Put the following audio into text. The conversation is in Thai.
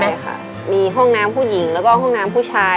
ใช่ค่ะมีห้องน้ำผู้หญิงแล้วก็ห้องน้ำผู้ชาย